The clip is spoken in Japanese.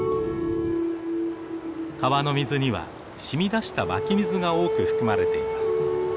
川の水には染み出した湧き水が多く含まれています。